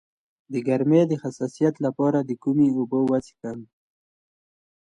د ګرمۍ د حساسیت لپاره کومې اوبه وڅښم؟